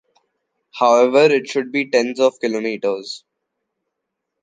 However, it should be tens of kilometers.